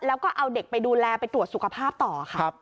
แล้วก็เอาเด็กไปดูแลไปตรวจสุขภาพต่อค่ะ